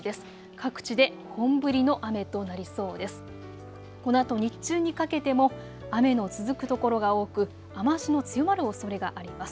各地で本降りの雨となりそうです。